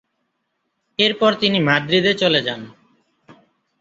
এরপর তিনি মাদ্রিদে চলে যান।